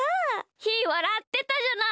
ひーわらってたじゃない。